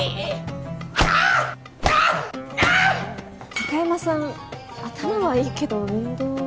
貴山さん頭はいいけど運動は。